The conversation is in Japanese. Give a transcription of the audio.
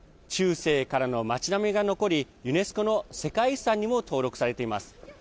中世からの町並みが残りユネスコの世界遺産にも登録されています。